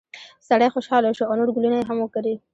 سړی خوشحاله شو او نور ګلونه یې هم وکري.